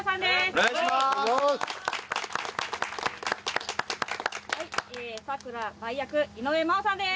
お願いします。